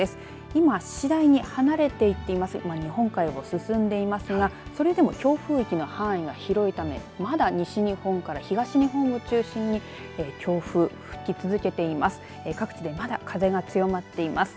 今、日本海を進んでいますがそれでも強風域の範囲が広いためまだ西日本から東日本を中心に強風、吹き続けています。